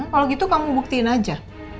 kalau gitu kamu buktiin aja